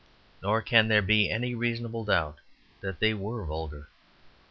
Nor can there be any reasonable doubt that they were vulgar.